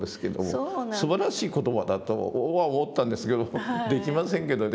すばらしい言葉だとは思ったんですけどできませんけどね